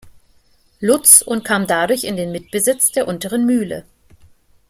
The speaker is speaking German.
Lutz und kam dadurch in den Mitbesitz der Unteren Mühle.